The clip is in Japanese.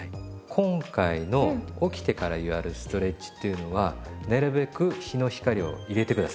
今回の起きてからやるストレッチっていうのはなるべく日の光を入れて下さい。